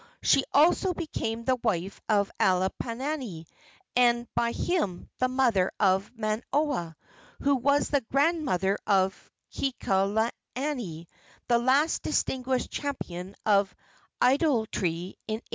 She also became the wife of Alapainui, and by him the mother of Manoua, who was the grandmother of Kekuaokalani, the last distinguished champion of idolatry in 1819.